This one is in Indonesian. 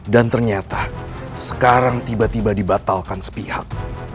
dan ternyata sekarang tiba tiba dibatalkan sepihak